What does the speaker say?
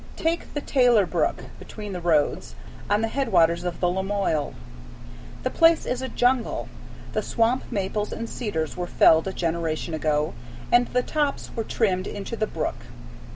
Take the Taylor Brook, "between the roads," on the headwaters of the Lamoille. The place is a jungle. The swamp maples and cedars were felled a generation ago, and the tops were trimmed into the brook.